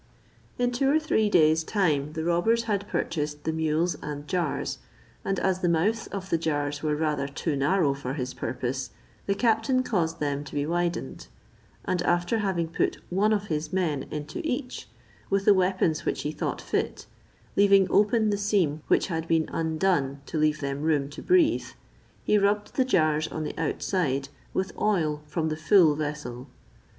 In two or three days' time the robbers had purchased the mules and jars, and as the mouths of the jars were rather too narrow for his purpose, the captain caused them to be widened; and after having put one of his men into each, with the weapons which he thought fit, leaving open the seam which had been undone to leave them room to breathe, he rubbed the jars on the outside with oil from the full vessel.